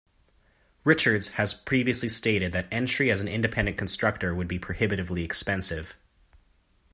Richards has previously stated that entry as an independent constructor would be prohibitively expensive.